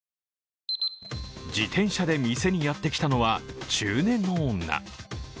自転車で店にやってきたのは中年の女。